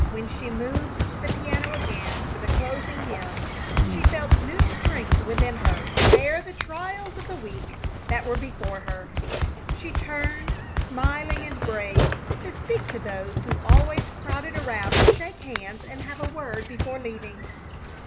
When she moved to the piano again for the closing hymn she felt new strength within her to bear the trials of the week that were before her. She turned, smiling and brave, to speak to those who always crowded around to shake hands and have a word before leaving.